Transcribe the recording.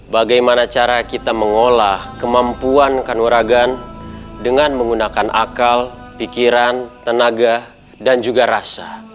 bagaimana cara kita mengolah kemampuan kanoragan dengan menggunakan akal pikiran tenaga dan juga rasa